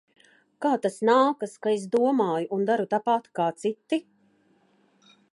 Kā tas nākas, ka es domāju un daru tāpat kā citi?